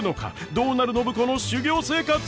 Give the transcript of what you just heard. どうなる暢子の修業生活！？